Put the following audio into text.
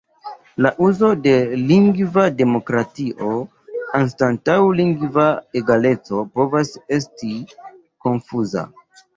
La uzo de "lingva demokratio" anstataŭ "lingva egaleco" povas esti konfuza.